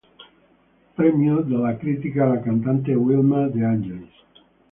Premio della critica alla cantante Wilma De Angelis.